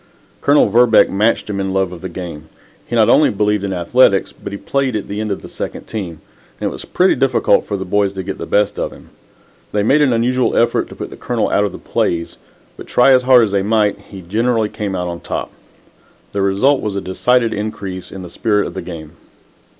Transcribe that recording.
Colonel Verbeck matched him in love of the game. He not only believed in athletics, but he played at end on the second team, and it was pretty difficult for the boys to get the best of him. They made an unusual effort to put the Colonel out of the plays, but, try as hard as they might, he generally came out on top. The result was a decided increase in the spirit of the game.